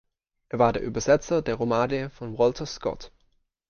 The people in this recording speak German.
Er war der Übersetzer der Romane von Walter Scott.